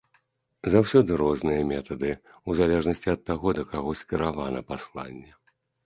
Заўсёды розныя метады, у залежнасці ад таго, да каго скіравана пасланне.